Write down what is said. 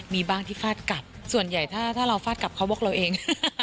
มีบ้างที่ฟาดกัดส่วนใหญ่ถ้าเราฟาดกลับเขาบอกเราเอง